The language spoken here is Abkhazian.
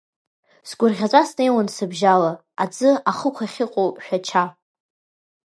Сгәырӷьаҵәа снеиуеит сыбжьалан, аӡы ахықә шыҟоу Шәача.